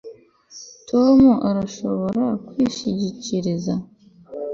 Tom arashobora kwishingikiriza